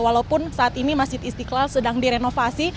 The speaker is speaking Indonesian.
walaupun saat ini masjid istiqlal sedang direnovasi